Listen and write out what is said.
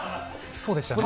そうでしたね。